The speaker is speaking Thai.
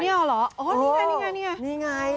นี่อ๋อเหรอนี่ไงนี่ไงนี่ไง